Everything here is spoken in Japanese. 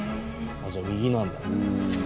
あじゃ右なんだ。